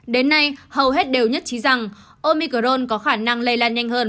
đến nay hầu hết đều nhất trí rằng omicron có khả năng lây lan nhanh hơn